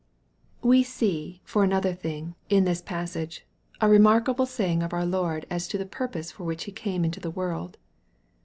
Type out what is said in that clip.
We see, for another thing, in this passage, a remark abh saying of our Lord as to the purpose for which He came into the world.